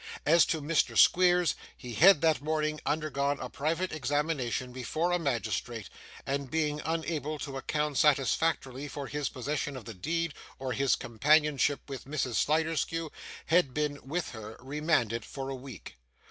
As to Mr. Squeers, he had, that morning, undergone a private examination before a magistrate; and, being unable to account satisfactorily for his possession of the deed or his companionship with Mrs. Sliderskew, had been, with her, remanded for a week.